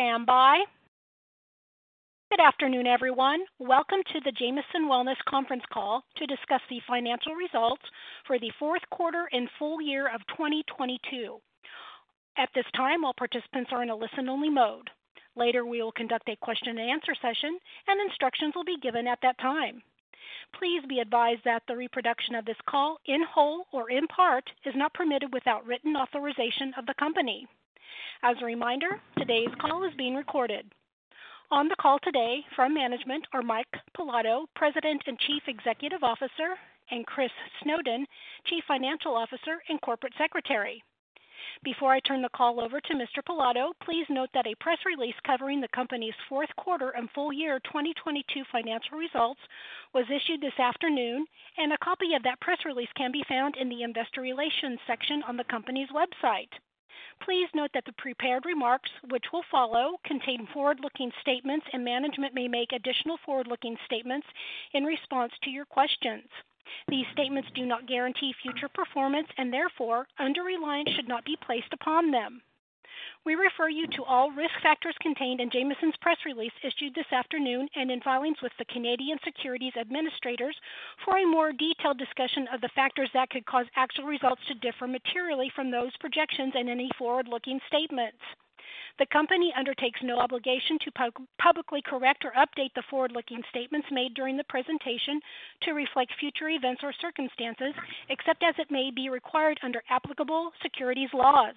Please stand by. Good afternoon, everyone. Welcome to the Jamieson Wellness conference call to discuss the financial results for the fourth quarter and full year of 2022. At this time, all participants are in a listen-only mode. Later, we will conduct a question-and-answer session, and instructions will be given at that time. Please be advised that the reproduction of this call, in whole or in part, is not permitted without written authorization of the company. As a reminder, today's call is being recorded. On the call today from management are Mike Pilato, President and Chief Executive Officer, and Chris Snowden, Chief Financial Officer and Corporate Secretary. Before I turn the call over to Mr. Pilato, please note that a press release covering the company's fourth quarter and full year 2022 financial results was issued this afternoon, and a copy of that press release can be found in the investor relations section on the company's website. Please note that the prepared remarks, which will follow, contain forward-looking statements, and management may make additional forward-looking statements in response to your questions. These statements do not guarantee future performance, and therefore under-reliance should not be placed upon them. We refer you to all risk factors contained in Jamieson's press release issued this afternoon and in filings with the Canadian Securities Administrators for a more detailed discussion of the factors that could cause actual results to differ materially from those projections and any forward-looking statements. The company undertakes no obligation to publicly correct or update the forward-looking statements made during the presentation to reflect future events or circumstances, except as it may be required under applicable securities laws.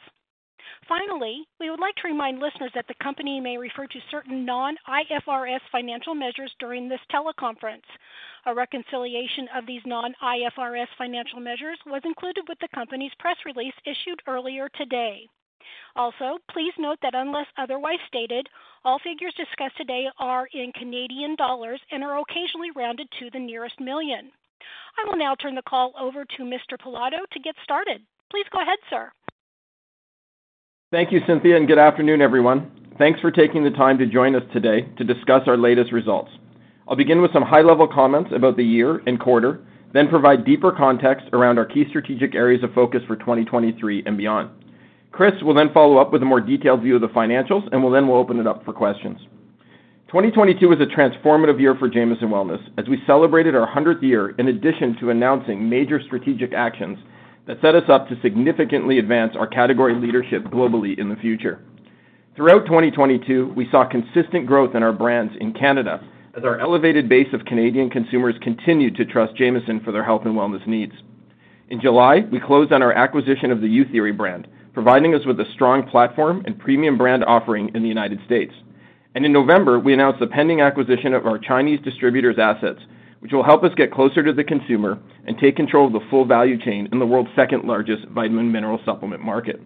Finally, we would like to remind listeners that the company may refer to certain non-IFRS financial measures during this teleconference. A reconciliation of these non-IFRS financial measures was included with the company's press release issued earlier today. Also, please note that unless otherwise stated, all figures discussed today are in Canadian dollars and are occasionally rounded to the nearest million. I will now turn the call over to Mr. Pilato to get started. Please go ahead, sir. Thank you, Cynthia. Good afternoon, everyone. Thanks for taking the time to join us today to discuss our latest results. I'll begin with some high-level comments about the year and quarter, then provide deeper context around our key strategic areas of focus for 2023 and beyond. Chris will then follow up with a more detailed view of the financials, and we'll then open it up for questions. 2022 was a transformative year for Jamieson Wellness as we celebrated our hundredth year in addition to announcing major strategic actions that set us up to significantly advance our category leadership globally in the future. Throughout 2022, we saw consistent growth in our brands in Canada as our elevated base of Canadian consumers continued to trust Jamieson for their health and wellness needs. In July, we closed on our acquisition of the Youtheory brand, providing us with a strong platform and premium brand offering in the United States. In November, we announced the pending acquisition of our Chinese distributor's assets, which will help us get closer to the consumer and take control of the full value chain in the world's second-largest vitamin mineral supplement market.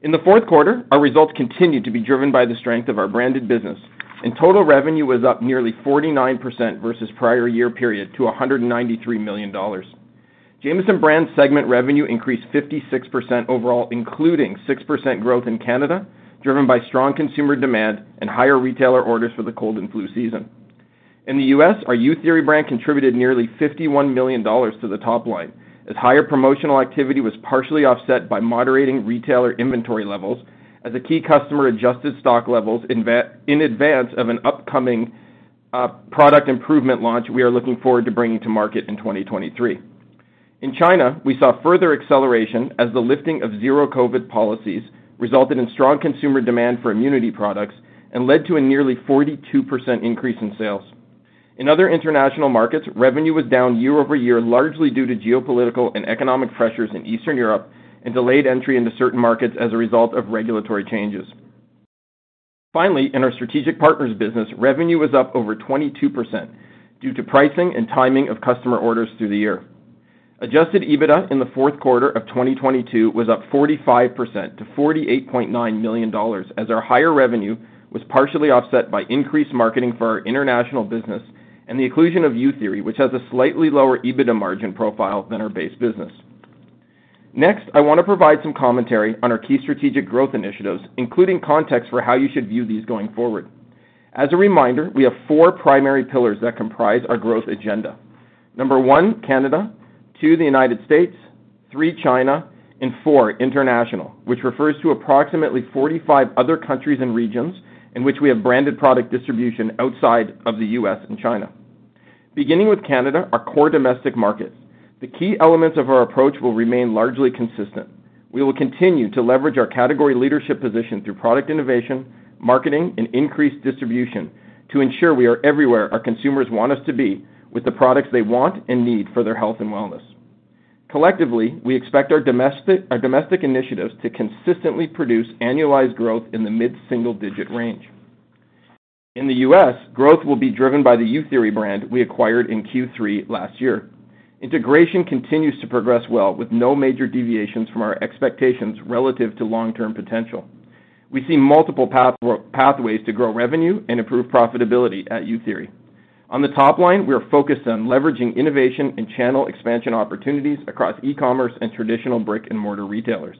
In the fourth quarter, our results continued to be driven by the strength of our branded business, and total revenue was up nearly 49% versus prior year period to 193 million dollars. Jamieson Brands segment revenue increased 56% overall, including 6% growth in Canada, driven by strong consumer demand and higher retailer orders for the cold and flu season. In the U.S., our Youtheory brand contributed nearly 51 million dollars to the top line, as higher promotional activity was partially offset by moderating retailer inventory levels as a key customer adjusted stock levels in advance of an upcoming product improvement launch we are looking forward to bringing to market in 2023. In China, we saw further acceleration as the lifting of zero COVID policies resulted in strong consumer demand for immunity products and led to a nearly 42% increase in sales. In other international markets, revenue was down year-over-year, largely due to geopolitical and economic pressures in Eastern Europe and delayed entry into certain markets as a result of regulatory changes. Finally, in our strategic partners business, revenue was up over 22% due to pricing and timing of customer orders through the year. Adjusted EBITDA in the fourth quarter of 2022 was up 45% to 48.9 million dollars, as our higher revenue was partially offset by increased marketing for our international business and the inclusion of Youtheory, which has a slightly lower EBITDA margin profile than our base business. I want to provide some commentary on our key strategic growth initiatives, including context for how you should view these going forward. As a reminder, we have four primary pillars that comprise our growth agenda. Number 1, Canada, 2, the United States, 3, China, and 4, International, which refers to approximately 45 other countries and regions in which we have branded product distribution outside of the U.S. and China. Beginning with Canada, our core domestic market, the key elements of our approach will remain largely consistent. We will continue to leverage our category leadership position through product innovation, marketing, and increased distribution to ensure we are everywhere our consumers want us to be with the products they want and need for their health and wellness. Collectively, we expect our domestic initiatives to consistently produce annualized growth in the mid-single digit range. In the U.S., growth will be driven by the Youtheory brand we acquired in Q3 last year. Integration continues to progress well with no major deviations from our expectations relative to long-term potential. We see multiple pathways to grow revenue and improve profitability at Youtheory. On the top line, we are focused on leveraging innovation and channel expansion opportunities across e-commerce and traditional brick-and-mortar retailers.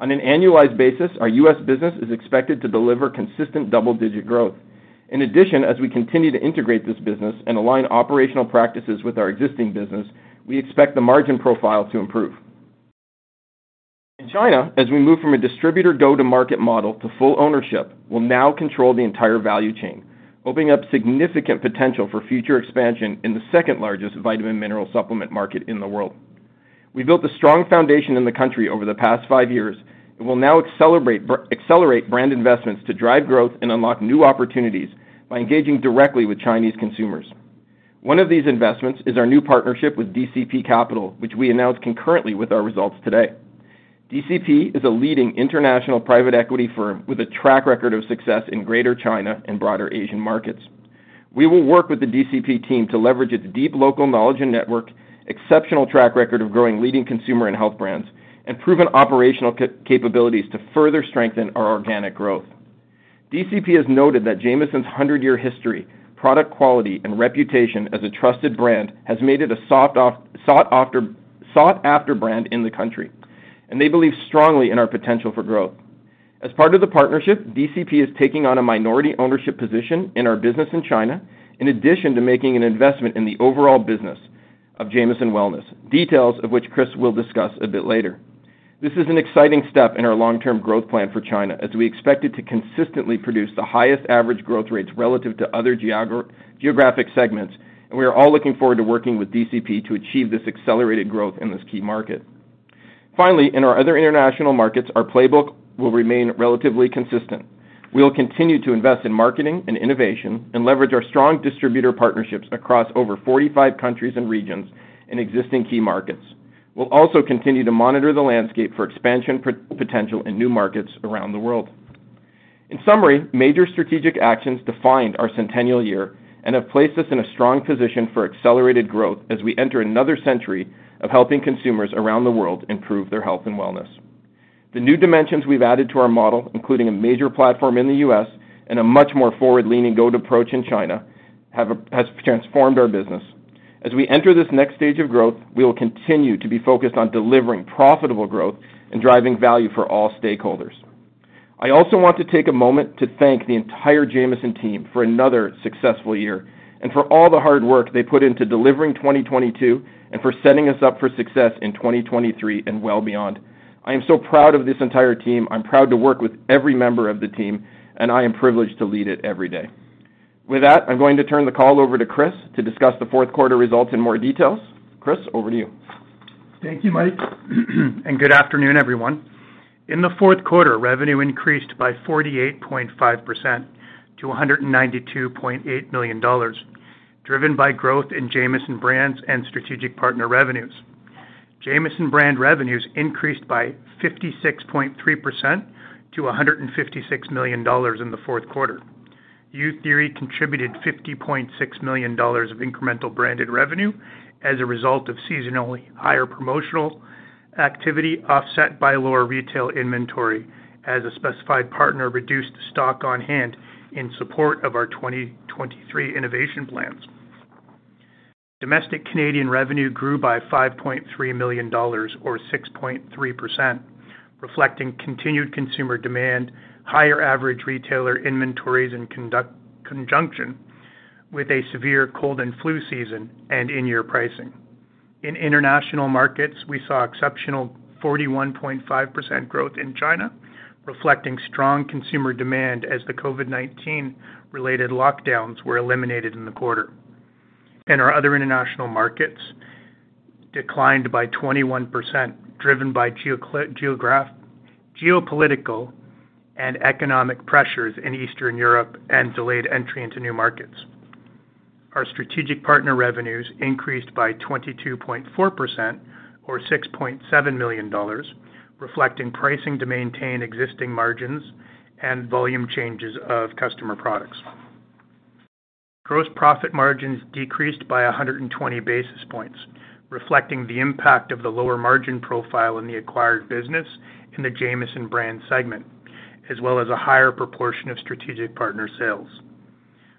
On an annualized basis, our U.S. business is expected to deliver consistent double-digit growth. In addition, as we continue to integrate this business and align operational practices with our existing business, we expect the margin profile to improve. In China, as we move from a distributor go-to-market model to full ownership, we'll now control the entire value chain, opening up significant potential for future expansion in the second-largest vitamin mineral supplement market in the world. We built a strong foundation in the country over the past five years and will now accelerate brand investments to drive growth and unlock new opportunities by engaging directly with Chinese consumers. One of these investments is our new partnership with DCP Capital, which we announced concurrently with our results today. DCP is a leading international private equity firm with a track record of success in Greater China and broader Asian markets. We will work with the DCP team to leverage its deep local knowledge and network, exceptional track record of growing leading consumer and health brands, and proven operational capabilities to further strengthen our organic growth. DCP has noted that Jamieson's 100-year history, product quality, and reputation as a trusted brand has made it a sought-after brand in the country, and they believe strongly in our potential for growth. As part of the partnership, DCP is taking on a minority ownership position in our business in China, in addition to making an investment in the overall business of Jamieson Wellness, details of which Chris will discuss a bit later. This is an exciting step in our long-term growth plan for China, as we expect it to consistently produce the highest average growth rates relative to other geographic segments. We are all looking forward to working with DCP to achieve this accelerated growth in this key market. Finally, in our other international markets, our playbook will remain relatively consistent. We will continue to invest in marketing and innovation and leverage our strong distributor partnerships across over 45 countries and regions in existing key markets. We'll also continue to monitor the landscape for expansion potential in new markets around the world. In summary, major strategic actions defined our centennial year and have placed us in a strong position for accelerated growth as we enter another century of helping consumers around the world improve their health and wellness. The new dimensions we've added to our model, including a major platform in the U.S. and a much more forward-leaning go-to approach in China, has transformed our business. As we enter this next stage of growth, we will continue to be focused on delivering profitable growth and driving value for all stakeholders. I also want to take a moment to thank the entire Jamieson team for another successful year and for all the hard work they put into delivering 2022 and for setting us up for success in 2023 and well beyond. I am so proud of this entire team. I'm proud to work with every member of the team, and I am privileged to lead it every day. With that, I'm going to turn the call over to Chris to discuss the fourth quarter results in more details. Chris, over to you. Thank you, Mike. Good afternoon, everyone. In the fourth quarter, revenue increased by 48.5% to 192.8 million dollars, driven by growth in Jamieson Brands and Strategic Partner revenues. Jamieson Brand revenues increased by 56.3% to 156 million dollars in the fourth quarter. Youtheory contributed 50.6 million dollars of incremental branded revenue as a result of seasonally higher promotional activity, offset by lower retail inventory as a specified partner reduced stock on hand in support of our 2023 innovation plans. Domestic Canadian revenue grew by 5.3 million dollars or 6.3%, reflecting continued consumer demand, higher average retailer inventories in conjunction with a severe cold and flu season and in-year pricing. In international markets, we saw exceptional 41.5% growth in China, reflecting strong consumer demand as the COVID-19 related lockdowns were eliminated in the quarter. In our other international markets declined by 21% driven by geopolitical and economic pressures in Eastern Europe and delayed entry into new markets. Our strategic partner revenues increased by 22.4% or 6.7 million dollars, reflecting pricing to maintain existing margins and volume changes of customer products. Gross profit margins decreased by 120 basis points, reflecting the impact of the lower margin profile in the acquired business in the Jamieson Brand segment, as well as a higher proportion of strategic partner sales.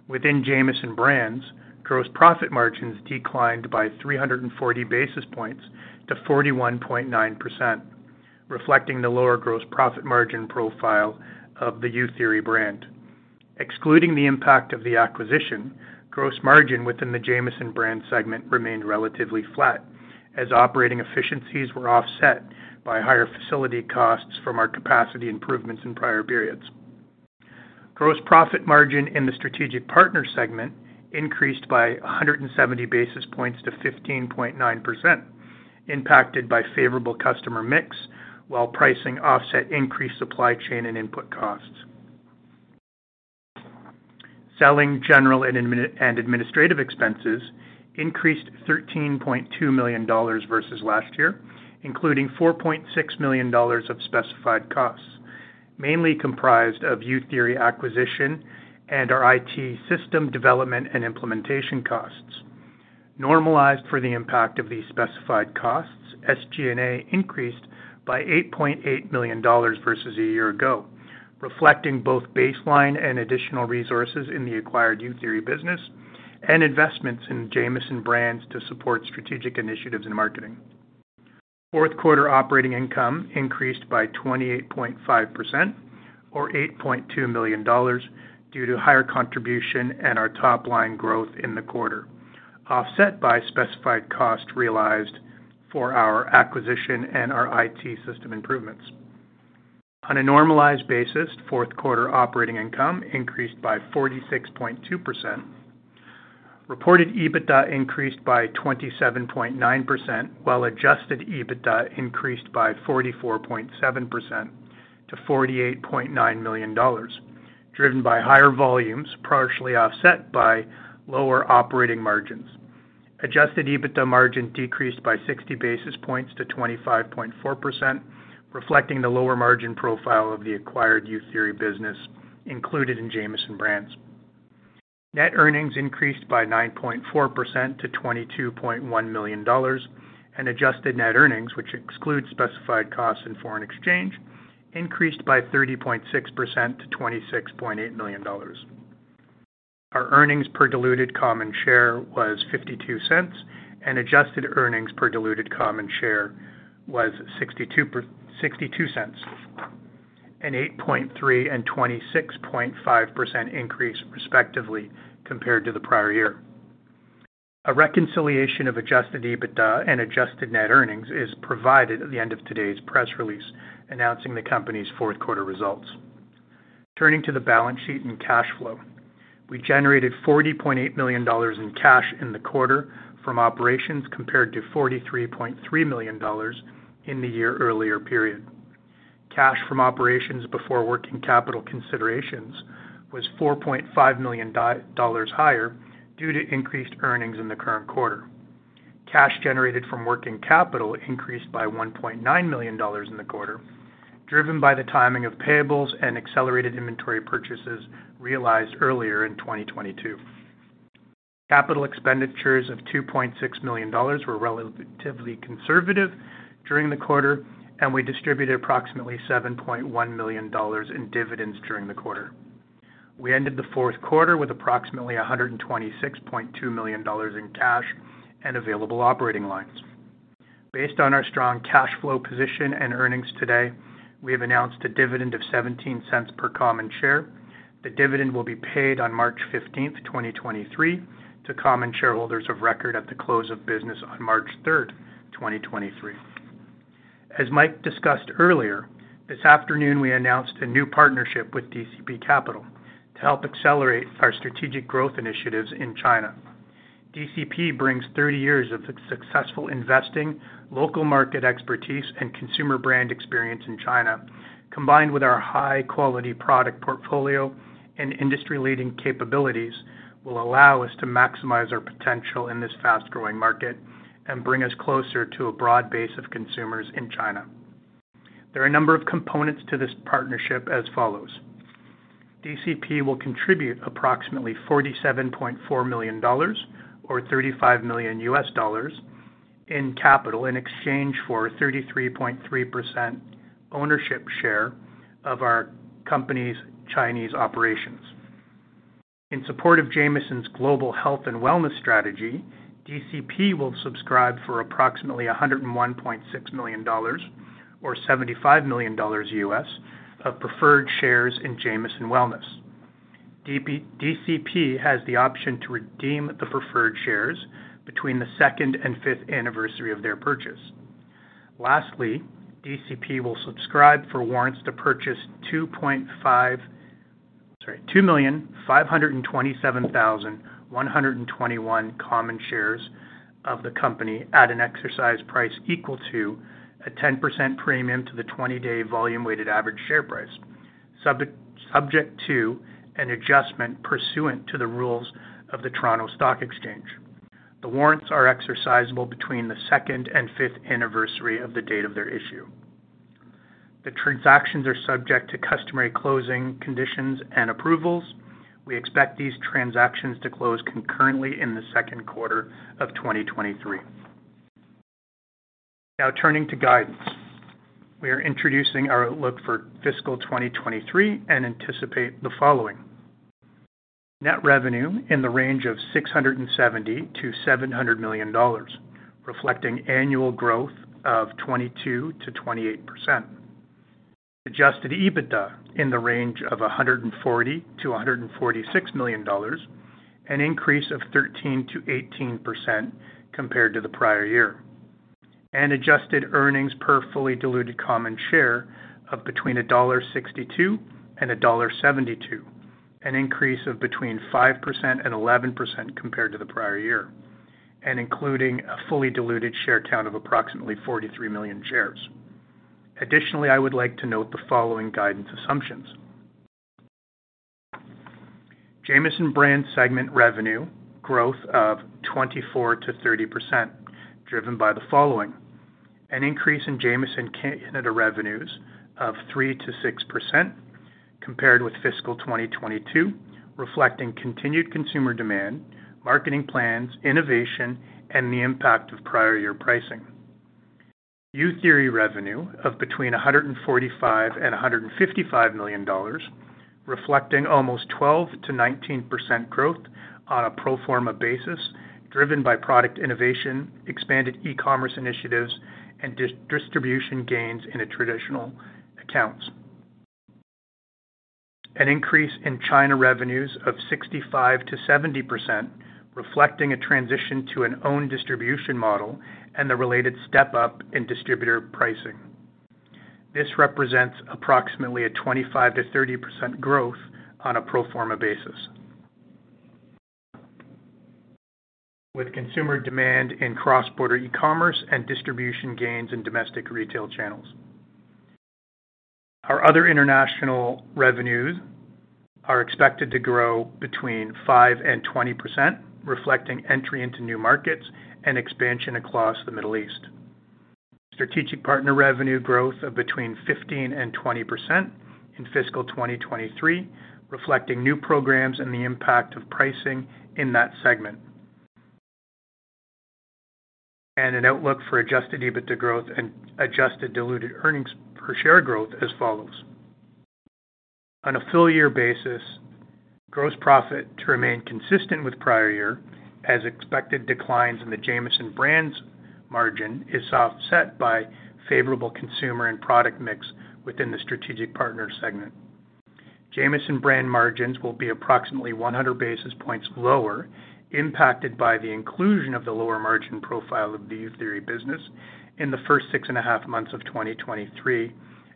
Within Jamieson Brands, gross profit margins declined by 340 basis points to 41.9%, reflecting the lower gross profit margin profile of the Youtheory brand. Excluding the impact of the acquisition, gross margin within the Jamieson Brands segment remained relatively flat as operating efficiencies were offset by higher facility costs from our capacity improvements in prior periods. Gross profit margin in the strategic partner segment increased by 170 basis points to 15.9%, impacted by favorable customer mix while pricing offset increased supply chain and input costs. Selling general and administrative expenses increased 13.2 million dollars versus last year, including 4.6 million dollars of specified costs, mainly comprised of Youtheory acquisition and our IT system development and implementation costs. Normalized for the impact of these specified costs, SG&A increased by 8.8 million dollars versus a year ago, reflecting both baseline and additional resources in the acquired Youtheory business and investments in Jamieson Brands to support strategic initiatives in marketing. Fourth quarter operating income increased by 28.5% or 8.2 million dollars due to higher contribution and our top line growth in the quarter. Offset by specified cost realized for our acquisition and our IT system improvements. On a normalized basis, fourth quarter operating income increased by 46.2%. Reported EBITDA increased by 27.9%, while adjusted EBITDA increased by 44.7% to 48.9 million dollars, driven by higher volumes, partially offset by lower operating margins. Adjusted EBITDA margin decreased by 60 basis points to 25.4%, reflecting the lower margin profile of the acquired Youtheory business included in Jamieson Brands. Net earnings increased by 9.4% to $22.1 million, and adjusted net earnings, which excludes specified costs and foreign exchange, increased by 30.6% to $26.8 million. Our earnings per diluted common share was $0.52, and adjusted earnings per diluted common share was $0.62, an 8.3% and 26.5% increase, respectively, compared to the prior year. A reconciliation of adjusted EBITDA and adjusted net earnings is provided at the end of today's press release announcing the company's fourth quarter results. Turning to the balance sheet and cash flow. We generated $40.8 million in cash in the quarter from operations, compared to $43.3 million in the year earlier period. Cash from operations before working capital considerations was 4.5 million dollars higher due to increased earnings in the current quarter. Cash generated from working capital increased by 1.9 million dollars in the quarter, driven by the timing of payables and accelerated inventory purchases realized earlier in 2022. Capital expenditures of 2.6 million dollars were relatively conservative during the quarter. We distributed approximately 7.1 million dollars in dividends during the quarter. We ended the fourth quarter with approximately 126.2 million dollars in cash and available operating lines. Based on our strong cash flow position and earnings today, we have announced a dividend of 0.17 per common share. The dividend will be paid on March 15, 2023, to common shareholders of record at the close of business on March 3, 2023. As Mike discussed earlier, this afternoon we announced a new partnership with DCP Capital to help accelerate our strategic growth initiatives in China. DCP brings 30 years of successful investing, local market expertise, and consumer brand experience in China. Combined with our high-quality product portfolio and industry-leading capabilities, will allow us to maximize our potential in this fast-growing market and bring us closer to a broad base of consumers in China. There are a number of components to this partnership as follows. DCP will contribute approximately 47.4 million dollars, or $35 million, in capital in exchange for 33.3% ownership share of our company's Chinese operations. In support of Jamieson's global health and wellness strategy, DCP will subscribe for approximately 101.6 million dollars or $75 million of preferred shares in Jamieson Wellness. DCP has the option to redeem the preferred shares between the 2nd and 5th anniversary of their purchase. DCP will subscribe for warrants to purchase 2,527,121 common shares of the company at an exercise price equal to a 10% premium to the 20-day volume weighted average share price, subject to an adjustment pursuant to the rules of the Toronto Stock Exchange. The warrants are exercisable between the 2nd and 5th anniversary of the date of their issue. The transactions are subject to customary closing conditions and approvals. We expect these transactions to close concurrently in the 2nd quarter of 2023. Turning to guidance. We are introducing our outlook for fiscal 2023 and anticipate the following. Net revenue in the range of 670 million-700 million dollars, reflecting annual growth of 22%-28%. Adjusted EBITDA in the range of 140 million-146 million dollars, an increase of 13%-18% compared to the prior year. Adjusted earnings per fully diluted common share of between dollar 1.62 and dollar 1.72, an increase of between 5% and 11% compared to the prior year, including a fully diluted share count of approximately 43 million shares. Additionally, I would like to note the following guidance assumptions. Jamieson Brands segment revenue growth of 24%-30%, driven by the following. An increase in Jamieson Canada revenues of 3%-6% compared with fiscal 2022, reflecting continued consumer demand, marketing plans, innovation, and the impact of prior year pricing. Youtheory revenue of between 145 million and 155 million dollars, reflecting almost 12%-19% growth on a pro forma basis, driven by product innovation, expanded e-commerce initiatives, and distribution gains in a traditional accounts. An increase in China revenues of 65%-70%, reflecting a transition to an own distribution model and the related step-up in distributor pricing. This represents approximately a 25%-30% growth on a pro forma basis. With consumer demand in cross-border E-commerce and distribution gains in domestic retail channels. Our other international revenues are expected to grow between 5% and 20%, reflecting entry into new markets and expansion across the Middle East. Strategic partner revenue growth of between 15% and 20% in fiscal 2023, reflecting new programs and the impact of pricing in that segment. An outlook for adjusted EBITDA growth and adjusted diluted earnings per share growth as follows. On a full year basis, gross profit to remain consistent with prior year as expected declines in the Jamieson Brands margin is offset by favorable consumer and product mix within the strategic partner segment. Jamieson Brands margins will be approximately 100 basis points lower, impacted by the inclusion of the lower margin profile of the Youtheory business in the first 6 and a half months of 2023,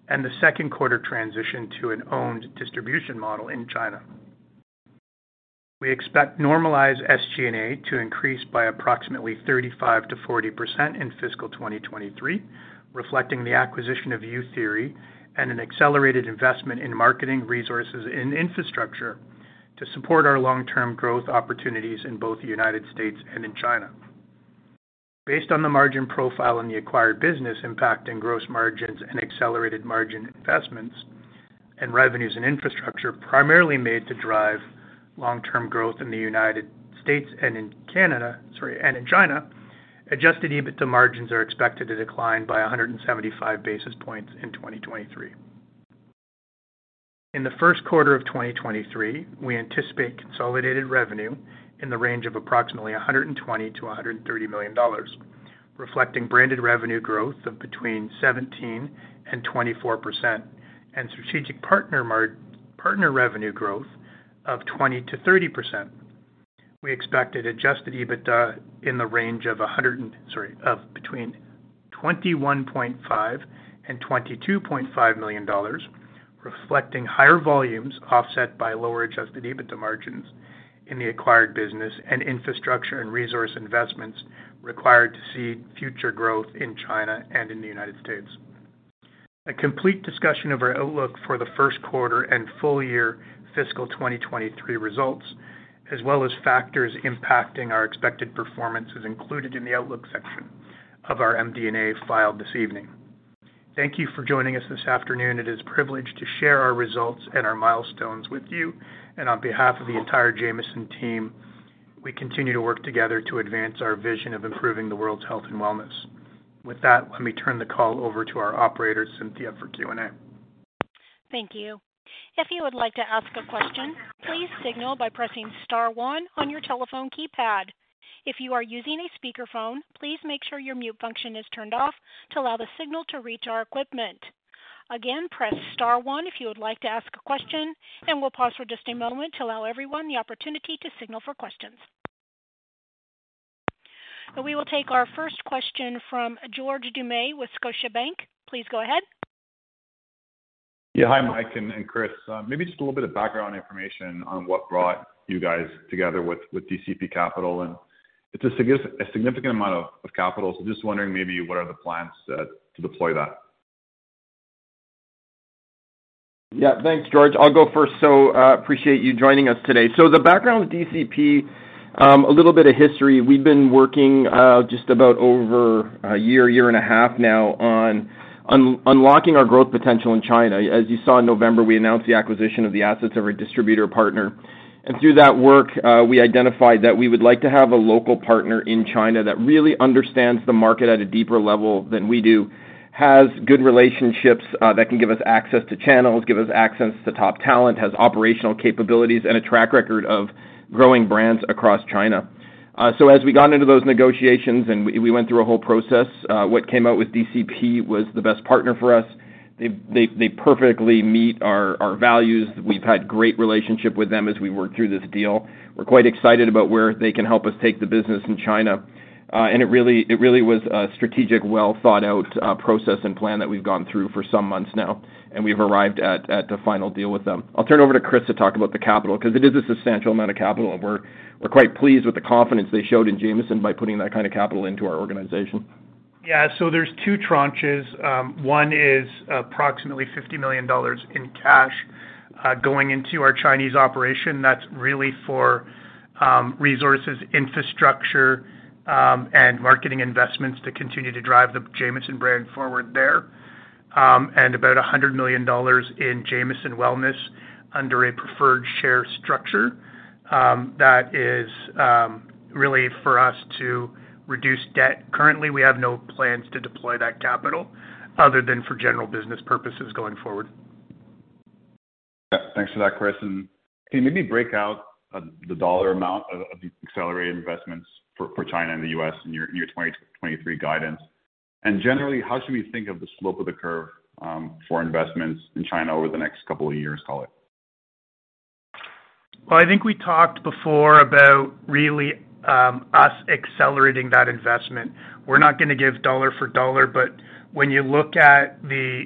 and the second quarter transition to an owned distribution model in China. We expect normalized SG&A to increase by approximately 35%-40% in fiscal 2023, reflecting the acquisition of Youtheory and an accelerated investment in marketing resources and infrastructure to support our long-term growth opportunities in both the United States and in China. Based on the margin profile and the acquired business impact in gross margins and accelerated margin investments and revenues and infrastructure primarily made to drive long-term growth in the United States and in Canada, sorry, and in China, adjusted EBITDA margins are expected to decline by 175 basis points in 2023. In the first quarter of 2023, we anticipate consolidated revenue in the range of approximately 120 million-130 million dollars, reflecting branded revenue growth of between 17% and 24% and strategic partner revenue growth of 20%-30%. We expected adjusted EBITDA in the range of a hundred and... Sorry, of between 21.5 million and 22.5 million dollars, reflecting higher volumes offset by lower adjusted EBITDA margins in the acquired business and infrastructure and resource investments required to see future growth in China and in the United States. A complete discussion of our outlook for the first quarter and full year fiscal 2023 results, as well as factors impacting our expected performance, is included in the outlook section of our MD&A filed this evening. Thank you for joining us this afternoon. It is privilege to share our results and our milestones with you. On behalf of the entire Jamieson team, we continue to work together to advance our vision of improving the world's health and wellness. With that, let me turn the call over to our operator, Cynthia, for Q&A. Thank you. If you would like to ask a question, please signal by pressing star one on your telephone keypad. If you are using a speakerphone, please make sure your mute function is turned off to allow the signal to reach our equipment. Again, press star one if you would like to ask a question, and we'll pause for just a moment to allow everyone the opportunity to signal for questions. We will take our first question from George Doumet with Scotiabank. Please go ahead. Hi, Mike and Chris. Maybe just a little bit of background information on what brought you guys together with DCP Capital. It's a significant amount of capital, so just wondering maybe what are the plans to deploy that? Yeah. Thanks, George. I'll go first. Appreciate you joining us today. The background with DCP, a little bit of history. We've been working, just about over a year and a half now on unlocking our growth potential in China. As you saw in November, we announced the acquisition of the assets of our distributor partner. Through that work, we identified that we would like to have a local partner in China that really understands the market at a deeper level than we do, has good relationships, that can give us access to channels, give us access to top talent, has operational capabilities, and a track record of growing brands across China. As we got into those negotiations and we went through a whole process, what came out with DCP was the best partner for us. They perfectly meet our values. We've had great relationship with them as we worked through this deal. We're quite excited about where they can help us take the business in China. It really was a strategic, well-thought-out process and plan that we've gone through for some months now, and we've arrived at the final deal with them. I'll turn over to Chris to talk about the capital because it is a substantial amount of capital, and we're quite pleased with the confidence they showed in Jamieson by putting that kind of capital into our organization. Yeah. There's 2 tranches. 1 is approximately 50 million dollars in cash going into our Chinese operation. That's really for resources, infrastructure, and marketing investments to continue to drive the Jamieson brand forward there. About 100 million dollars in Jamieson Wellness under a preferred share structure, that is really for us to reduce debt. Currently, we have no plans to deploy that capital other than for general business purposes going forward. Yeah. Thanks for that, Chris. Can you maybe break out the dollar amount of the accelerated investments for China and the U.S. in your 2023 guidance? Generally, how should we think of the slope of the curve, for investments in China over the next couple of years, call it? I think we talked before about really, us accelerating that investment. We're not gonna give dollar for dollar. When you look at the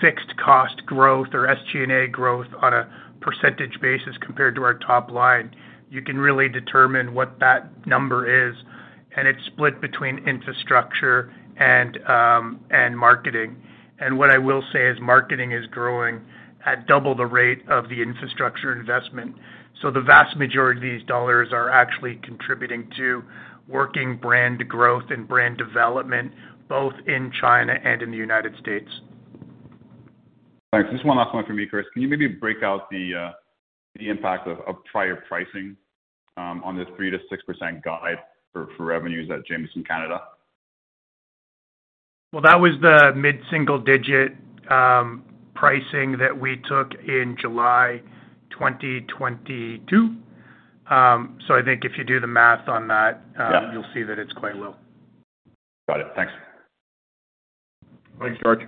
fixed cost growth or SG&A growth on a percentage basis compared to our top line, you can really determine what that number is. It's split between infrastructure and marketing. What I will say is marketing is growing at double the rate of the infrastructure investment. The vast majority of these dollars are actually contributing to working brand growth and brand development, both in China and in the United States. Thanks. Just one last one for me, Chris. Can you maybe break out the impact of prior pricing, on this 3%-6% guide for revenues at Jamieson, Canada? That was the mid-single digit pricing that we took in July 2022. I think if you do the math on that... Yeah. You'll see that it's quite low. Got it. Thanks. Thanks, George.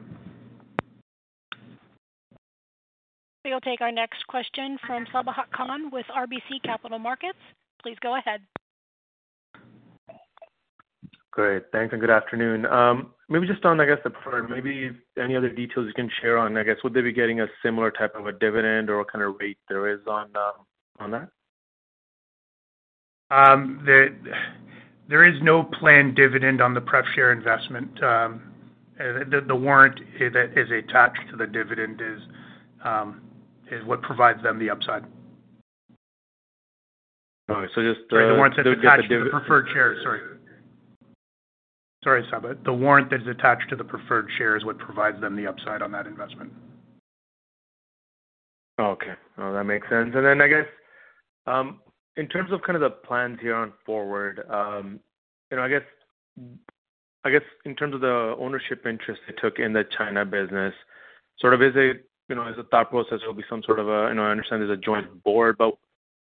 We'll take our next question from Sabahat Khan with RBC Capital Markets. Please go ahead. Great. Thanks, and good afternoon. Maybe just on, I guess, the preferred, maybe any other details you can share on, I guess, would they be getting a similar type of a dividend or what kind of rate there is on that? There is no planned dividend on the prep share investment. The warrant is attached to the dividend is what provides them the upside. All right. The warrant that's attached to the preferred share. Sorry, Sabahat. The warrant that's attached to the preferred share is what provides them the upside on that investment. Okay. No, that makes sense. In terms of kind of the plans here on forward, you know, I guess in terms of the ownership interest they took in the China business, sort of is it, you know, as a thought process, there'll be some sort of. You know, I understand there's a joint board, but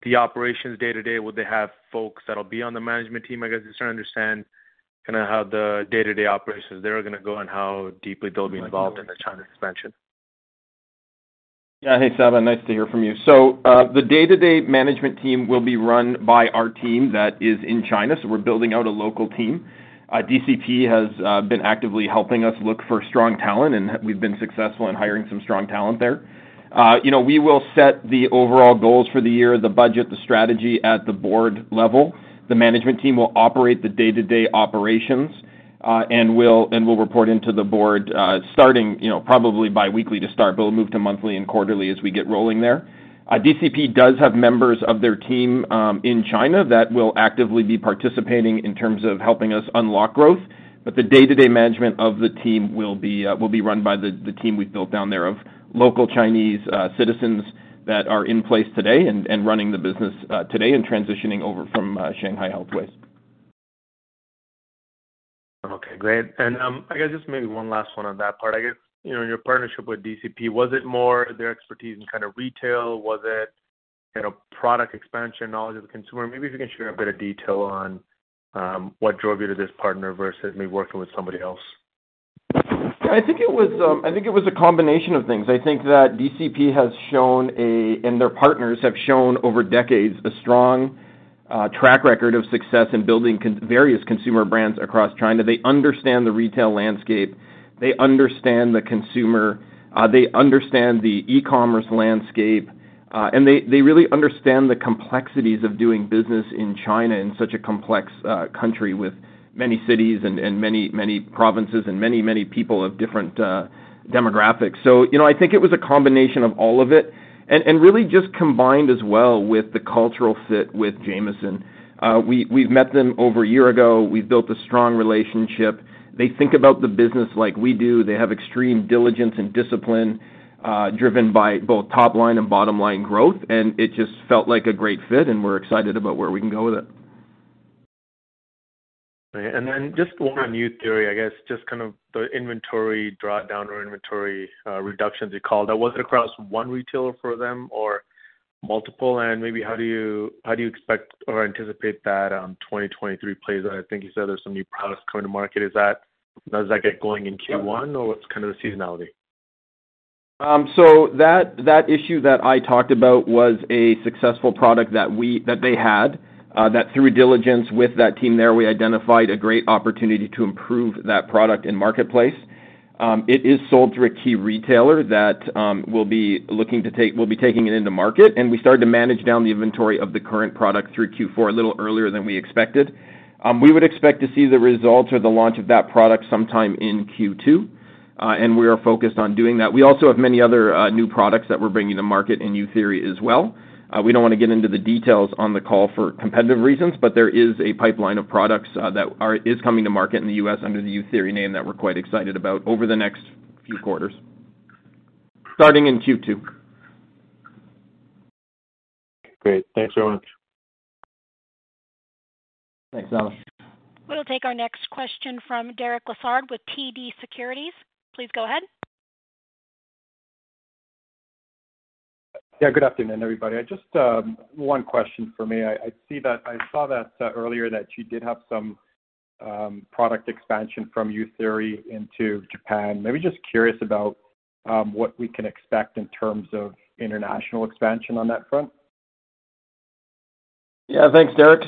the operations day-to-day, will they have folks that'll be on the management team? I guess, just try to understand kind of how the day-to-day operations there are going to go and how deeply they'll be involved in the China expansion. Yeah. Hey, Sabahat. Nice to hear from you. The day-to-day management team will be run by our team that is in China, so we're building out a local team. DCP has been actively helping us look for strong talent, and we've been successful in hiring some strong talent there. You know, we will set the overall goals for the year, the budget, the strategy at the Board level. The management team will operate the day-to-day operations, and will report into the Board, starting, you know, probably bi-weekly to start, but we'll move to monthly and quarterly as we get rolling there. DCP does have members of their team in China that will actively be participating in terms of helping us unlock growth. The day-to-day management of the team will be run by the team we've built down there of local Chinese citizens that are in place today and running the business today and transitioning over from Shanghai Healthways. Okay, great. I guess just maybe one last one on that part. I guess, you know, your partnership with DCP, was it more their expertise in kind of retail? Was it, you know, product expansion, knowledge of the consumer? Maybe if you can share a bit of detail on what drove you to this partner versus maybe working with somebody else. I think it was a combination of things. I think that DCP has shown and their partners have shown over decades a strong track record of success in building various consumer brands across China. They understand the retail landscape. They understand the consumer. They understand the cross-border E-commerce landscape. They really understand the complexities of doing business in China, in such a complex country with many cities and many provinces and many people of different demographics. You know, I think it was a combination of all of it. Really just combined as well with the cultural fit with Jamieson. We've met them over a year ago. We've built a strong relationship. They think about the business like we do. They have extreme diligence and discipline, driven by both top line and bottom line growth, and it just felt like a great fit, and we're excited about where we can go with it. Just one on Youtheory, I guess just kind of the inventory drawdown or inventory reductions you called. Was it across one retailer for them or multiple? Maybe how do you, how do you expect or anticipate that 2023 plays out? I think you said there's some new products coming to market. Does that get going in Q1, or what's kind of the seasonality? That issue that I talked about was a successful product that they had, that through due diligence with that team there, we identified a great opportunity to improve that product in marketplace. It is sold through a key retailer that will be taking it into market, and we started to manage down the inventory of the current product through Q4 a little earlier than we expected. We would expect to see the results or the launch of that product sometime in Q2, and we are focused on doing that. We also have many other new products that we're bringing to market in Youtheory as well. We don't wanna get into the details on the call for competitive reasons, but there is a pipeline of products that is coming to market in the U.S. under the Youtheory name that we're quite excited about over the next few quarters, starting in Q2. Great. Thanks very much. Thanks, Sabahat We'll take our next question from Derek Lessard with TD Securities. Please go ahead. Good afternoon, everybody. I just, one question for me. I saw that earlier that you did have some, product expansion from Youtheory into Japan. Maybe just curious about, what we can expect in terms of international expansion on that front. Thanks, Derek.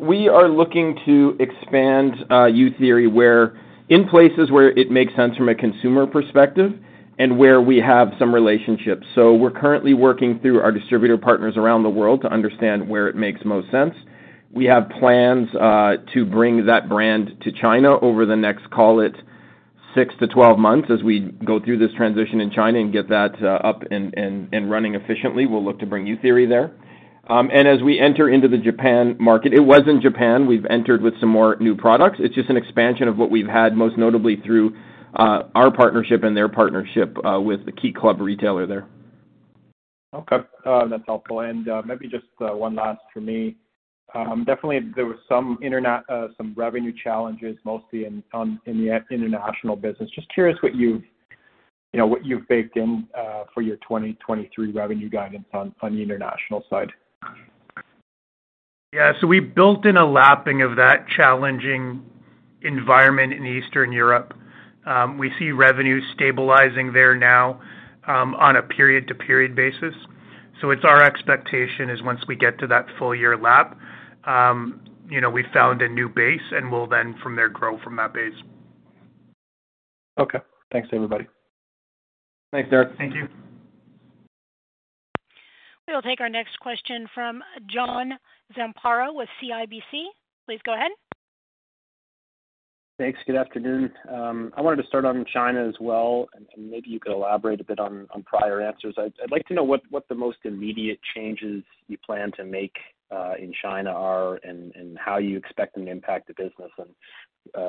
We are looking to expand Youtheory in places where it makes sense from a consumer perspective and where we have some relationships. We're currently working through our distributor partners around the world to understand where it makes most sense. We have plans to bring that brand to China over the next, call it, 6-12 months as we go through this transition in China and get that up and running efficiently. We'll look to bring Youtheory there. As we enter into the Japan market, it was in Japan, we've entered with some more new products. It's just an expansion of what we've had, most notably through our partnership and their partnership with the Key Club retailer there. Okay. That's helpful. Maybe just one last from me. Definitely there was some revenue challenges, mostly in the international business. Just curious what you know, what you've baked in for your 2023 revenue guidance on the international side. Yeah. We built in a lapping of that challenging environment in Eastern Europe. We see revenue stabilizing there now, on a period-to-period basis. It's our expectation is once we get to that full year lap, you know, we found a new base, and we'll then from there grow from that base. Okay. Thanks, everybody. Thanks, Derek. Thank you. We'll take our next question from John Zamparo with CIBC. Please go ahead. Thanks. Good afternoon. I wanted to start on China as well, and maybe you could elaborate a bit on prior answers. I'd like to know what the most immediate changes you plan to make in China are and how you expect them to impact the business.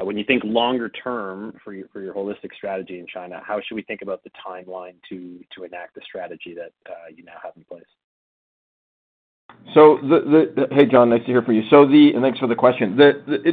When you think longer term for your holistic strategy in China, how should we think about the timeline to enact the strategy that you now have in place? Hey, John. Nice to hear from you. Thanks for the question.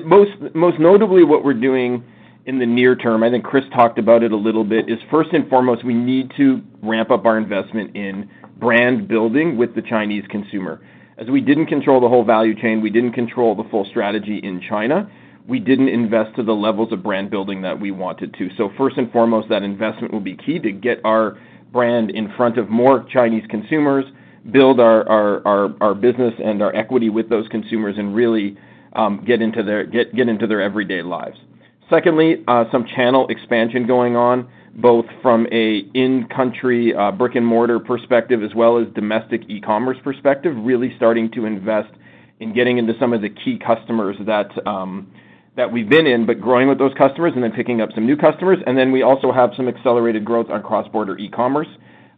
Most notably what we're doing in the near term, I think Chris talked about it a little bit, is first and foremost, we need to ramp up our investment in brand building with the Chinese consumer. As we didn't control the whole value chain, we didn't control the full strategy in China, we didn't invest to the levels of brand building that we wanted to. First and foremost, that investment will be key to get our brand in front of more Chinese consumers, build our business and our equity with those consumers, and really get into their everyday lives. Secondly, some channel expansion going on, both from a in-country, brick-and-mortar perspective as well as domestic e-commerce perspective, really starting to invest in getting into some of the key customers that we've been in, but growing with those customers and then picking up some new customers. We also have some accelerated growth on cross-border e-commerce,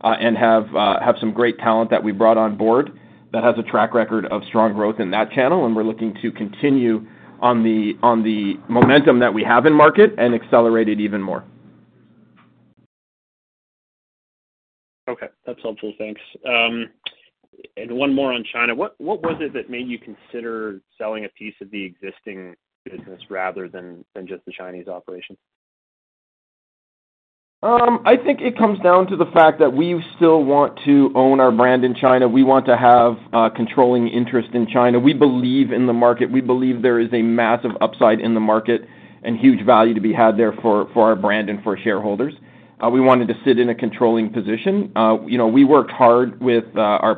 and have some great talent that we brought on board that has a track record of strong growth in that channel, and we're looking to continue on the momentum that we have in market and accelerate it even more. Okay. That's helpful. Thanks. One more on China. What was it that made you consider selling a piece of the existing business rather than just the Chinese operation? I think it comes down to the fact that we still want to own our brand in China. We want to have a controlling interest in China. We believe in the market. We believe there is a massive upside in the market and huge value to be had there for our brand and for shareholders. We wanted to sit in a controlling position. You know, we worked hard with our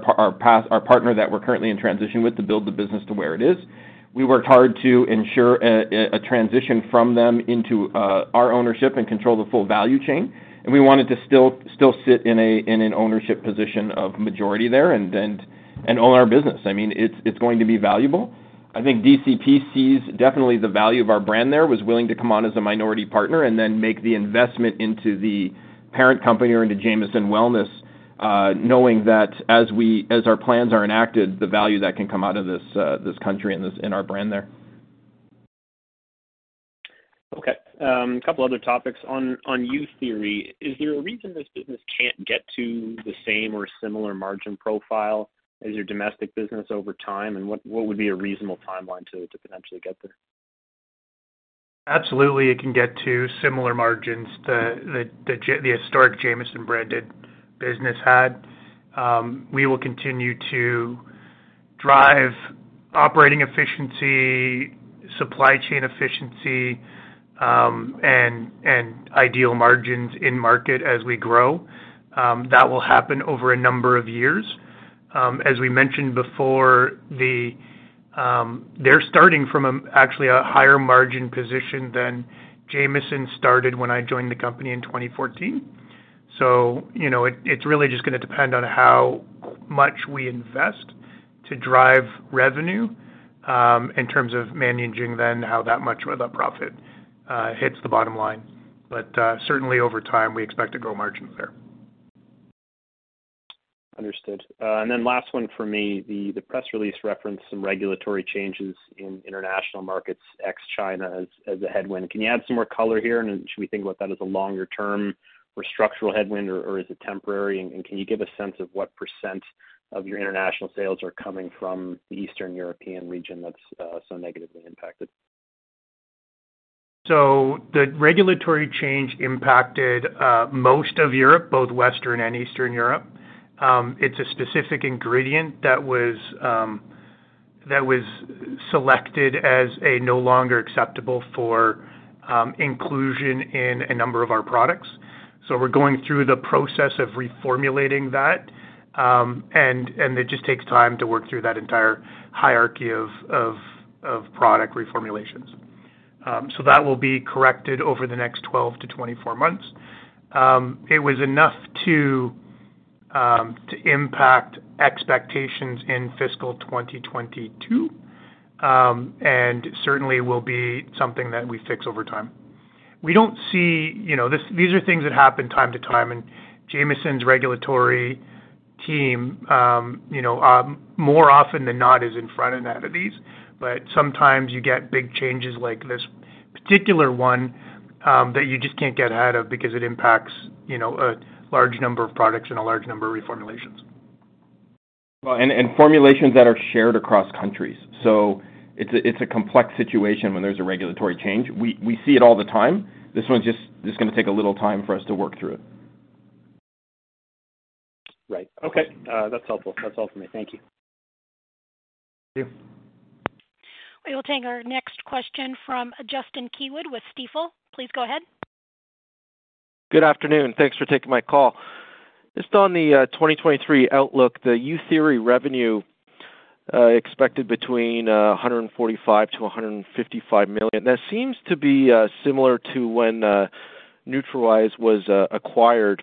partner that we're currently in transition with to build the business to where it is. We worked hard to ensure a transition from them into our ownership and control the full value chain. We wanted to still sit in an ownership position of majority there and own our business. I mean, it's going to be valuable. I think DCP sees definitely the value of our brand there, was willing to come on as a minority partner and then make the investment into the parent company or into Jamieson Wellness, knowing that as our plans are enacted, the value that can come out of this country and our brand there. Okay. A couple other topics. On Youtheory, is there a reason this business can't get to the same or similar margin profile as your domestic business over time, and what would be a reasonable timeline to potentially get there? Absolutely, it can get to similar margins to the historic Jamieson branded business had. We will continue to drive operating efficiency, supply chain efficiency, and ideal margins in market as we grow. That will happen over a number of years. As we mentioned before, they're starting from actually a higher margin position than Jamieson started when I joined the company in 2014. You know, it's really just gonna depend on how much we invest to drive revenue in terms of managing then how that much of the profit hits the bottom line. Certainly over time, we expect to grow margins there. Understood. Last one for me. The press release referenced some regulatory changes in international markets ex China as a headwind. Can you add some more color here, and should we think about that as a longer term or structural headwind or is it temporary? Can you give a sense of what % of your international sales are coming from the Eastern European region that's so negatively impacted? The regulatory change impacted most of Europe, both Western and Eastern Europe. It's a specific ingredient that was selected as a no longer acceptable for inclusion in a number of our products. We're going through the process of reformulating that, and it just takes time to work through that entire hierarchy of product reformulations. That will be corrected over the next 12-24 months. It was enough to impact expectations in fiscal 2022, and certainly will be something that we fix over time. We don't see, you know, these are things that happen time to time, and Jamieson's regulatory team, you know, more often than not, is in front of that of these. Sometimes you get big changes like this particular one, that you just can't get ahead of because it impacts, you know, a large number of products and a large number of reformulations. Well, and formulations that are shared across countries. It's a complex situation when there's a regulatory change. We see it all the time. This one's just gonna take a little time for us to work through it. Right. Okay. That's helpful. That's all for me. Thank you. Thank you. We will take our next question from Justin Keywood with Stifel. Please go ahead. Good afternoon. Thanks for taking my call. Just on the 2023 outlook, the Youtheory revenue expected between 145 million-155 million. That seems to be similar to when Nutrawise was acquired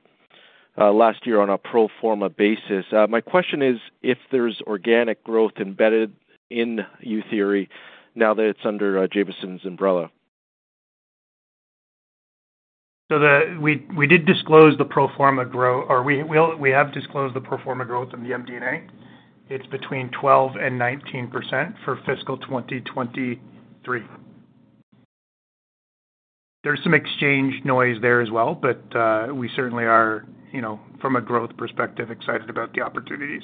last year on a pro forma basis. My question is, if there's organic growth embedded in Youtheory now that it's under Jamieson's umbrella? We did disclose the pro forma growth or we have disclosed the pro forma growth in the MD&A. It's between 12% and 19% for fiscal 2023. There's some exchange noise there as well, but we certainly are, you know, from a growth perspective, excited about the opportunities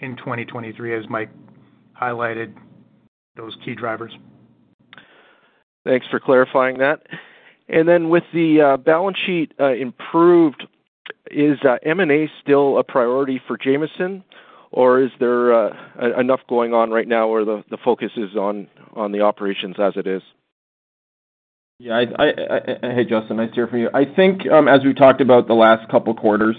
in 2023, as Mike highlighted those key drivers. Thanks for clarifying that. Then with the balance sheet improved, is M&A still a priority for Jamieson, or is there enough going on right now where the focus is on the operations as it is? Yeah, I... Hey, Justin, nice to hear from you. I think, as we talked about the last couple quarters,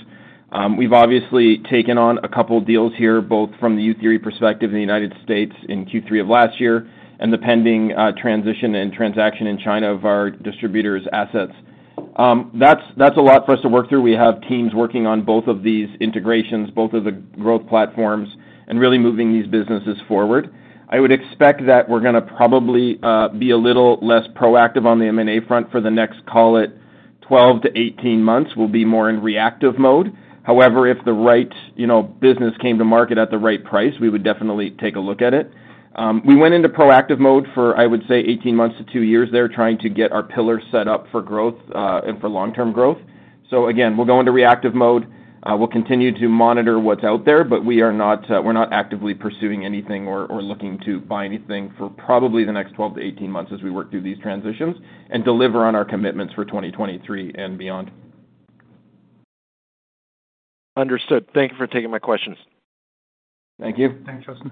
we've obviously taken on a couple deals here, both from the Youtheory perspective in the United States in Q3 of last year and the pending transition and transaction in China of our distributor's assets. That's, that's a lot for us to work through. We have teams working on both of these integrations, both of the growth platforms, and really moving these businesses forward. I would expect that we're gonna probably be a little less proactive on the M&A front for the next, call it, 12 to 18 months. We'll be more in reactive mode. However, if the right, you know, business came to market at the right price, we would definitely take a look at it. We went into proactive mode for, I would say, 18 months to 2 years there, trying to get our pillars set up for growth and for long-term growth. Again, we'll go into reactive mode. We'll continue to monitor what's out there, but we are not, we're not actively pursuing anything or looking to buy anything for probably the next 12-18 months as we work through these transitions and deliver on our commitments for 2023 and beyond. Understood. Thank you for taking my questions. Thank you. Thanks, Justin.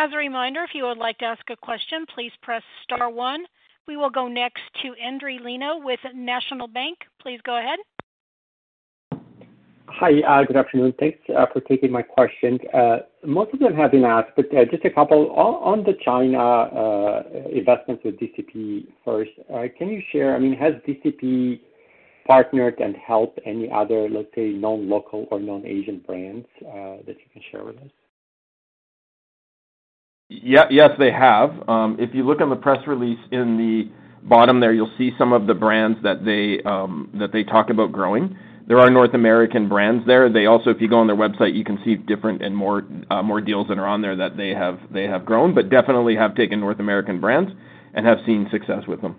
As a reminder, if you would like to ask a question, please press star one. We will go next to Endri Leno with National Bank. Please go ahead. Hi. Good afternoon. Thanks, for taking my questions. Most of them have been asked, but just a couple. On the China investment with DCP first, I mean, has DCP partnered and helped any other, let's say, non-local or non-Asian brands, that you can share with us? Yes, they have. If you look on the press release in the bottom there, you'll see some of the brands that they talk about growing. There are North American brands there. They also, if you go on their website, you can see different and more deals that are on there that they have grown, but definitely have taken North American brands and have seen success with them.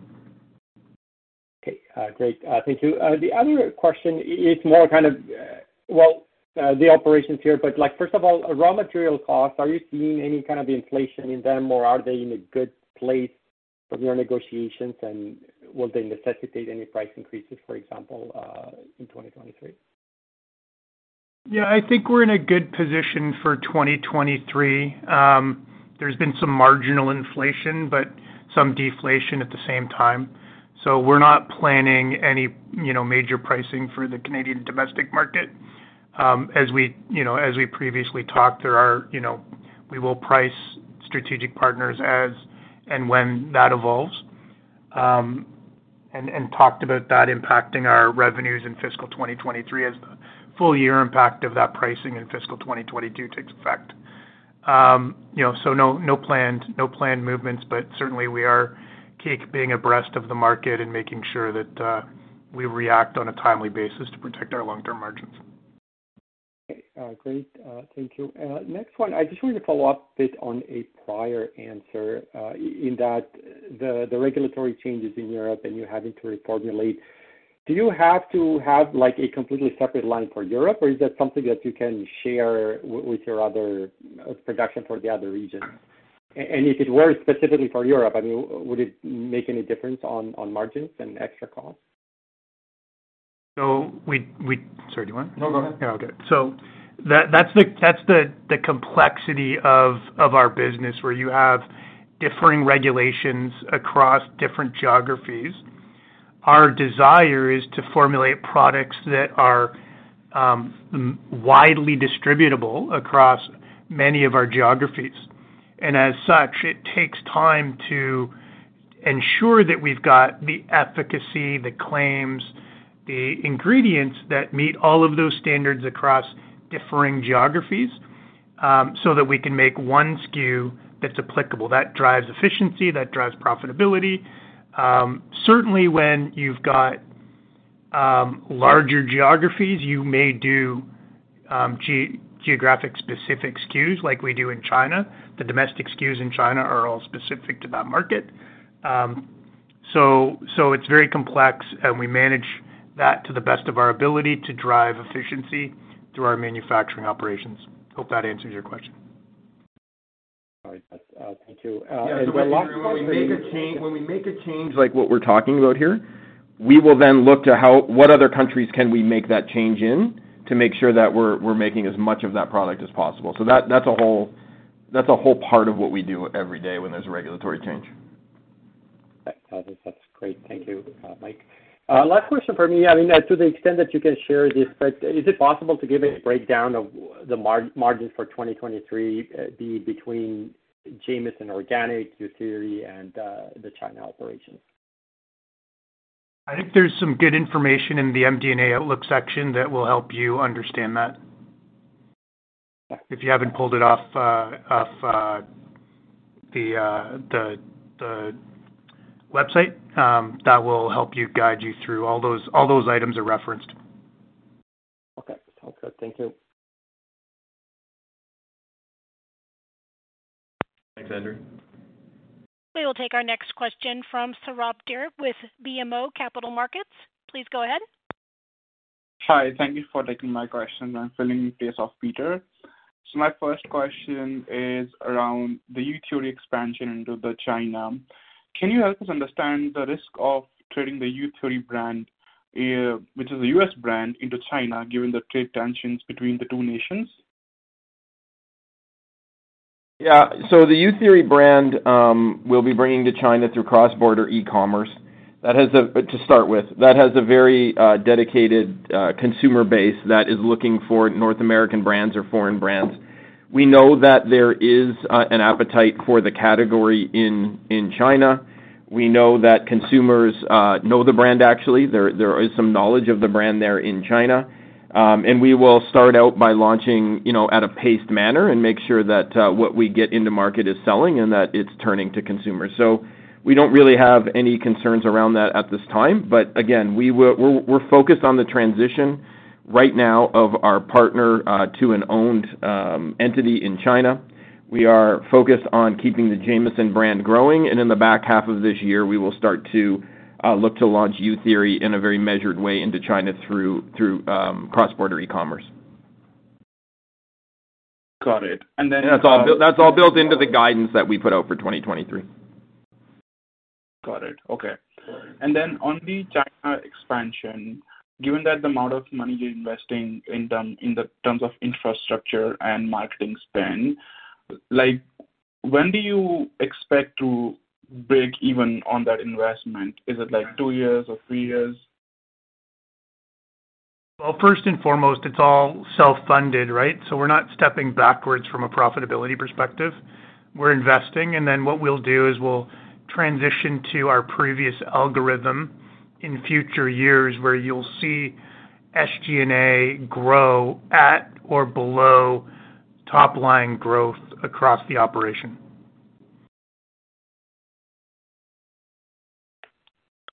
Okay. Great. Thank you. The other question is more kind of, well, the operations here, but like, first of all, raw material costs, are you seeing any kind of inflation in them, or are they in a good place from your negotiations, and will they necessitate any price increases, for example, in 2023? Yeah, I think we're in a good position for 2023. There's been some marginal inflation, but some deflation at the same time. We're not planning any major pricing for the Canadian domestic market. As we, as we previously talked, there are, we will price strategic partners as and when that evolves, and talked about that impacting our revenues in fiscal 2023 as the full year impact of that pricing in fiscal 2022 takes effect. No planned movements, but certainly we are being abreast of the market and making sure that we react on a timely basis to protect our long-term margins. Okay. Great. Thank you. Next one, I just wanted to follow up a bit on a prior answer, in that the regulatory changes in Europe and you're having to reformulate. Do you have to have like a completely separate line for Europe or is that something that you can share with your other production for the other regions? If it were specifically for Europe, I mean would it make any difference on margins and extra costs? we, Sorry, do you want- No, go ahead. That's the complexity of our business where you have differing regulations across different geographies. Our desire is to formulate products that are widely distributable across many of our geographies. As such, it takes time to ensure that we've got the efficacy, the claims, the ingredients that meet all of those standards across differing geographies, so that we can make one SKU that's applicable. That drives efficiency, that drives profitability. Certainly when you've got larger geographies, you may do geographic specific SKUs like we do in China. The domestic SKUs in China are all specific to that market. So it's very complex, and we manage that to the best of our ability to drive efficiency through our manufacturing operations. Hope that answers your question. All right. That's, thank you. My last- When we make a change like what we're talking about here, we will then look to what other countries can we make that change in to make sure that we're making as much of that product as possible. That's a whole part of what we do every day when there's a regulatory change. That's great. Thank you, Mike. Last question for me. I mean, to the extent that you can share this, but is it possible to give a breakdown of the margin for 2023 between Jamieson organic, Youtheory, and the China operations? I think there's some good information in the MD&A outlook section that will help you understand that. Yeah. If you haven't pulled it off, the website, that will help you guide you through. All those items are referenced. Okay. Sounds good. Thank you. Thanks, Andrew. We will take our next question from Stephen MacLeod with BMO Capital Markets. Please go ahead. Hi. Thank you for taking my question. I'm filling in case of Peter. My first question is around the Youtheory expansion into the China. Can you help us understand the risk of trading the Youtheory brand, which is a U.S. brand, into China, given the trade tensions between the two nations? Yeah. The Youtheory brand, we'll be bringing to China through cross-border e-commerce. To start with, that has a very dedicated consumer base that is looking for North American brands or foreign brands. We know that there is an appetite for the category in China. We know that consumers know the brand, actually. There is some knowledge of the brand there in China. We will start out by launching, you know, at a paced manner and make sure that what we get into market is selling and that it's turning to consumers. We don't really have any concerns around that at this time. Again, we're focused on the transition right now of our partner to an owned entity in China. We are focused on keeping the Jamieson brand growing. In the back half of this year, we will start to look to launch Youtheory in a very measured way into China through cross-border e-commerce. Got it. then- That's all built into the guidance that we put out for 2023. Got it. Okay. On the China expansion, given that the amount of money you're investing in terms of infrastructure and marketing spend, like, when do you expect to break even on that investment? Is it like 2 years or 3 years? First and foremost, it's all self-funded, right? We're not stepping backwards from a profitability perspective. We're investing, and then what we'll do is we'll transition to our previous algorithm in future years, where you'll see SG&A grow at or below top line growth across the operation.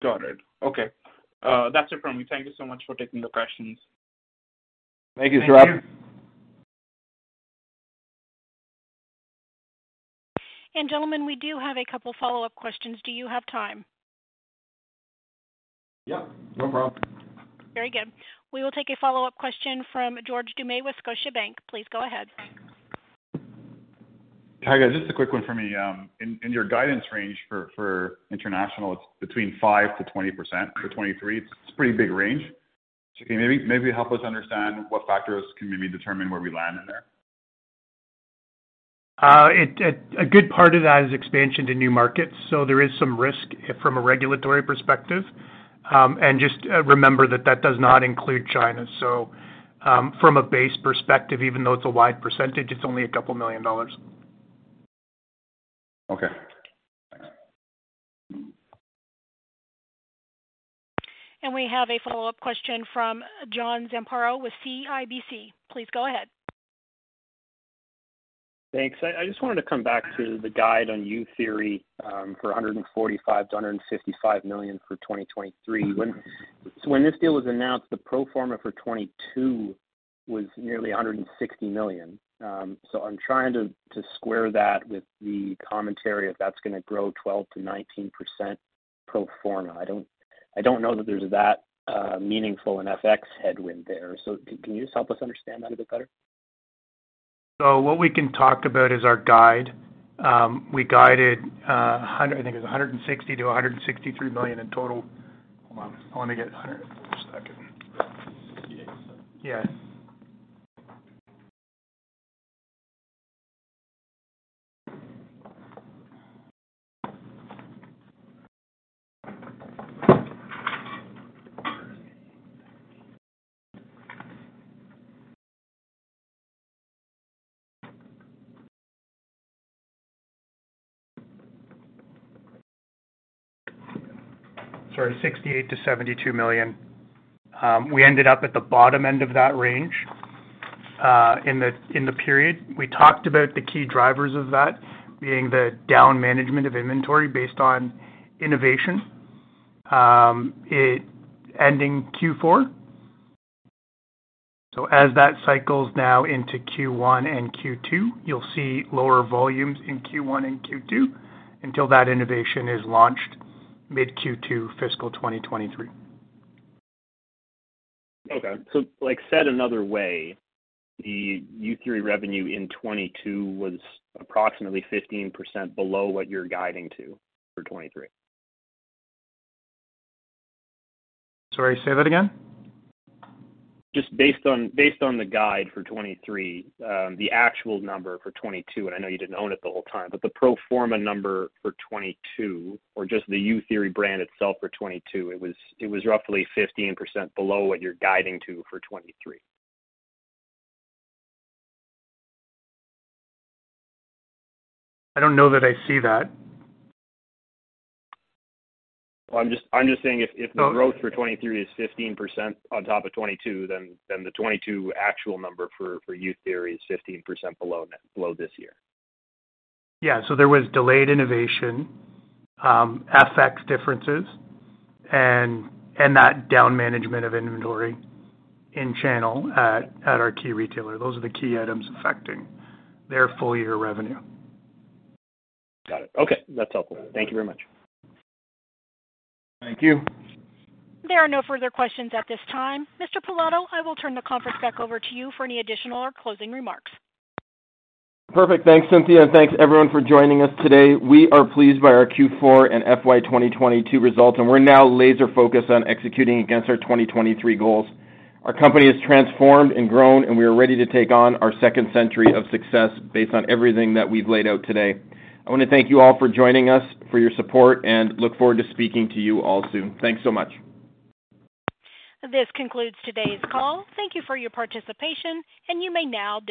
Got it. Okay. That's it from me. Thank you so much for taking the questions. Thank you, Saurabh Der. Thank you. Gentlemen, we do have a couple follow-up questions. Do you have time? Yep. No problem. Very good. We will take a follow-up question from George Doumet with Scotiabank. Please go ahead. Hi, guys. Just a quick one for me. In your guidance range for international, it's between 5%-20% for 2023. It's a pretty big range. Can you maybe help us understand what factors can maybe determine where we land in there? It, a good part of that is expansion to new markets. There is some risk from a regulatory perspective. Just, remember that that does not include China. From a base perspective, even though it's a wide percentage, it's only a couple million CAD. Okay. Thanks. We have a follow-up question from John Zamparo with CIBC. Please go ahead. Thanks. I just wanted to come back to the guide on Youtheory, for 145 million-155 million for 2023. When this deal was announced, the pro forma for 2022 was nearly 160 million. I'm trying to square that with the commentary, if that's gonna grow 12%-19% pro forma. I don't know that there's that meaningful in FX headwind there. Can you just help us understand that a bit better? What we can talk about is our guide. We guided, I think it was 160 million-163 million in total. Hold on, let me get it. Just a second. Yeah. Sorry, 68 million-72 million. We ended up at the bottom end of that range in the period. We talked about the key drivers of that being the down management of inventory based on innovation, it ending Q4. As that cycles now into Q1 and Q2, you'll see lower volumes in Q1 and Q2 until that innovation is launched mid-Q2 fiscal 2023. Okay. like, said another way, the Youtheory revenue in 2022 was approximately 15% below what you're guiding to for 2023. Sorry, say that again. Just based on the guide for 2023, the actual number for 2022, and I know you didn't own it the whole time, but the pro forma number for 2022 or just the Youtheory brand itself for 2022, it was roughly 15% below what you're guiding to for 2023. I don't know that I see that. I'm just saying if the growth for 2023 is 15% on top of 2022, then the 2022 actual number for Youtheory is 15% below this year. Yeah. There was delayed innovation, FX differences, and that down management of inventory in channel at our key retailer. Those are the key items affecting their full year revenue. Got it. Okay. That's helpful. Thank you very much. Thank you. There are no further questions at this time. Mr. Pilato, I will turn the conference back over to you for any additional or closing remarks. Perfect. Thanks, Cynthia, thanks everyone for joining us today. We are pleased by our Q4 and FY 2022 results, and we're now laser focused on executing against our 2023 goals. Our company has transformed and grown, and we are ready to take on our second century of success based on everything that we've laid out today. I wanna thank you all for joining us, for your support, and look forward to speaking to you all soon. Thanks so much. This concludes today's call. Thank you for your participation. You may now disconnect.